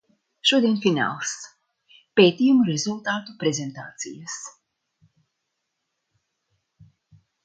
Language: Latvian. Šodien fināls - pētījumu rezultātu prezentācijas.